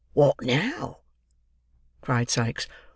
"Wot now?" cried Sikes.